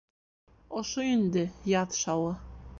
Ошо инде яҙ шауы!